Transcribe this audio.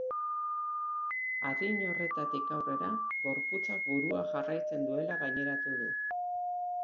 Adin horretatik aurrera gorputzak burua jarraitzen duela gaineratu du.